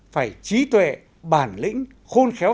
phải trí tuệ bản lĩnh khôn khéo